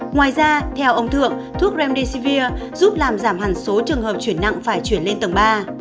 ngoài ra theo ông thượng thuốc remdesivir giúp làm giảm hẳn số trường hợp chuyển nặng phải chuyển lên tầng ba